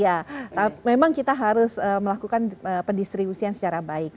karena ya memang kita harus melakukan pendistribusian secara baik